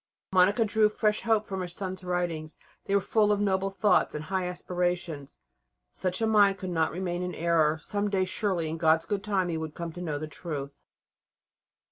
Monica drew fresh hope from her son's writings. They were full of noble thoughts and high aspirations. Such a mind could not remain in error. Some day, surely, in God's good time, he would come to know the truth.